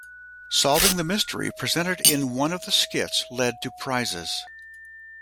Solving the mystery presented in one of the skits led to prizes.